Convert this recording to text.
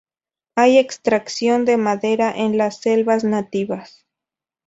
Hay extracción de madera en las selvas nativas.